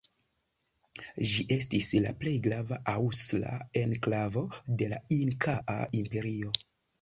Ĝi estis la plej grava aŭstrala enklavo de la Inkaa imperio.